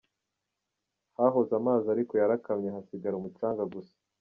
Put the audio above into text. Hahoze amazi ariko yarakamye hasigara umucanga gusa.